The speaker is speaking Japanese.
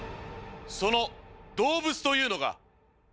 その動物というのが。